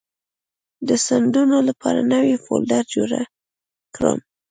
د سندونو لپاره نوې فولډر جوړه کړم.